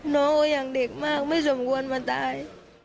น้องก็ยังเด็กมากไม่สมควรมาตาย